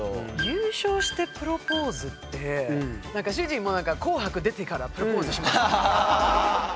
「優勝してプロポーズ」ってなんか主人も「紅白」出てからプロポーズします。